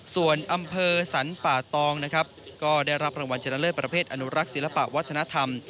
ส่วนอำเภอสรรป่าตองนะครับก็ได้รับรางวัลชนะเลิศประเภทอนุรักษ์ศิลปะวัฒนธรรม